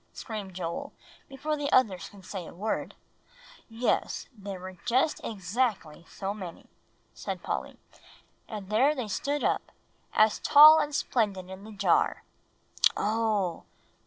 screamed Joel, before the others could say a word. "Yes, I guess there were just exactly so many," said Polly; "and there they stood up, as tall and splendid in the jar." "Oo!"